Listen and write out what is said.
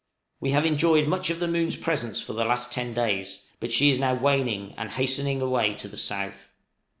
We have enjoyed much of the moon's presence for the last ten days, but now she is waning and hastening away to the south.